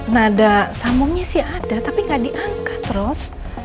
nada samungnya sih ada tapi nggak diangkat ros